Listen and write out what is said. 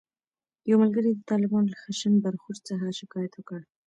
یو ملګري د طالبانو له خشن برخورد څخه شکایت وکړ.